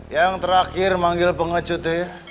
yang terakhir manggil pengecutnya ya